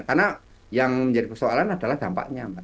karena yang menjadi persoalan adalah dampaknya mbak